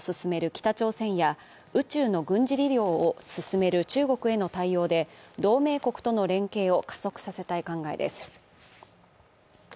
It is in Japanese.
北朝鮮や宇宙の軍事利用を進める中国への対応で同盟国との連携を加速させたい考えです。